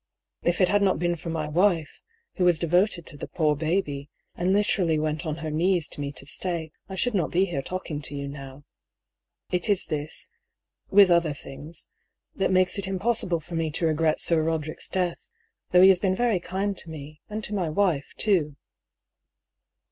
If it had not been for my wife, who was devoted to the poor baby, and literally went on her knees to me to stay, I should not be here talking to you now. It is this — with other things — that makes it im possible for me to regret Sir Roderick's death, though he has been very kind to me, and to my wife too."